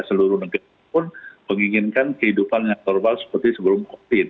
seluruh negara pun menginginkan kehidupan yang normal seperti sebelum covid